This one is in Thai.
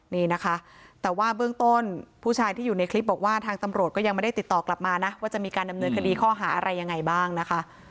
นี่นะคะแต่ว่าเบื้องต้นผู้ชายที่อยู่ในคลิปบอกว่าทางตำรวจก็ยังไม่ได้ติดต่อกลับมานะว่าจะมีการดำเนินคดีข้อหาอะไรยังไงบ้างนะคะ